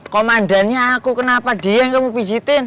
komandannya aku kenapa dia yang kamu pijitin